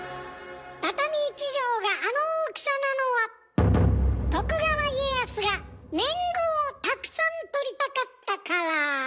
畳１畳があの大きさなのは徳川家康が年貢をたくさんとりたかったから。